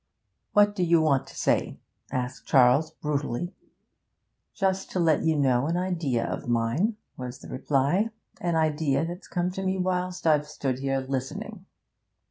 'What do you want to say?' asked Charles brutally. 'Just to let you know an idea of mine,' was the reply, 'an idea that's come to me whilst I've stood here listening.'